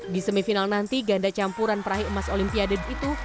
di semifinal nanti ganda campuran peraih emas olimpiade itu